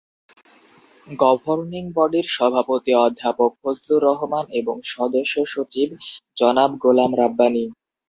Governing বডির সভাপতি অধ্যাপক ফজলুর রহমান এবং সদস্য সচিব জনাব গোলাম রাব্বানী।